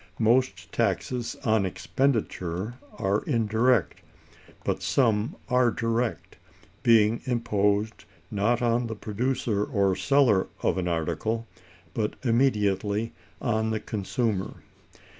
Most taxes on expenditure are indirect, but some are direct, being imposed, not on the producer or seller of an article, but immediately on the consumer.